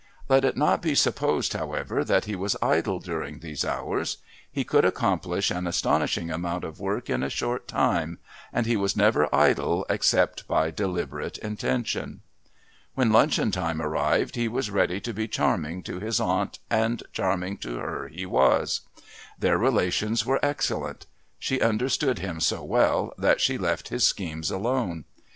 Let it not be supposed, however, that he was idle during these hours. He could accomplish an astonishing amount of work in a short time, and he was never idle except by deliberate intention. When luncheon time arrived he was ready to be charming to his aunt, and charming to her he was. Their relations were excellent. She understood him so well that she left his schemes alone.